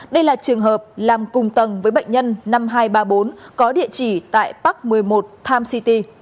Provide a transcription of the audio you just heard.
đây là trường hợp làm cùng tầng với bệnh nhân năm nghìn hai trăm ba mươi bốn có địa chỉ tại park một mươi một time city